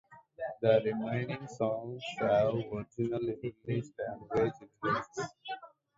The remaining songs have original English language lyrics.